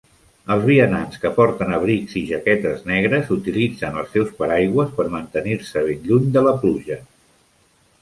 Els vianants que porten abrics i jaquetes negres utilitzen els seus paraigües per mantenir-se ben lluny de la pluja